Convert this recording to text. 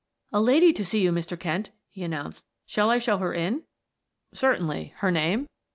"A lady to see you, Mr. Kent," he announced. "Shall I show her in?" "Certainly her name?"